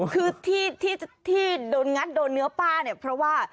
คือที่โดนงัดโดนเนื้อป้าเนี่ยเพราะว่า